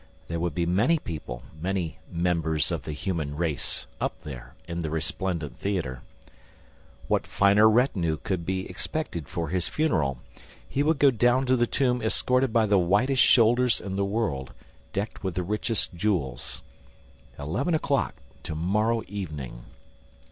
There would be many people, many "members of the human race," up there, in the resplendent theater. What finer retinue could be expected for his funeral? He would go down to the tomb escorted by the whitest shoulders in the world, decked with the richest jewels. Eleven o'clock to morrow evening!